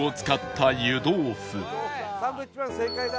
サンドウィッチマン正解だ！